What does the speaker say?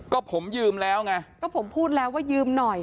ก็ผมยืมแล้วไงก็ผมพูดแล้วว่ายืมหน่อย